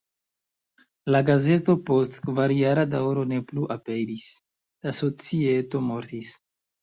La gazeto post kvarjara daŭro ne plu aperis, la societo mortis.